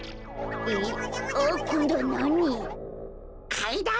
かいだん？